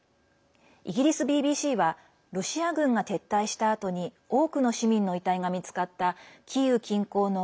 イギリスＢＢＣはロシア軍が撤退したあとに多くの市民の遺体が見つかったキーウ近郊の